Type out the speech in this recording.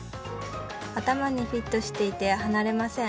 頭にフィットしていて離れません。